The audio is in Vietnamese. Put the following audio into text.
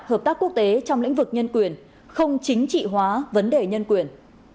hợp tác quốc tế trong lĩnh vực nhân quyền không chính trị hóa vấn đề nhân quyền